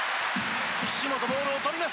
岸本ボールを取りました。